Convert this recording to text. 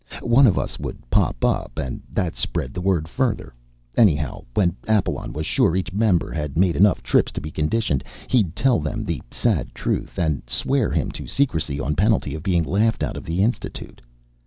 One of us would pop up, and that spread the word further. Anyhow, when Apalon was sure each member had made enough trips to be conditioned, he'd tell him the sad truth, and swear him to secrecy on penalty of being laughed out of the Institute.